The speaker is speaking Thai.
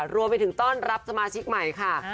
รวมไปถึงต้อนรับสมาชิกใหม่ค่ะ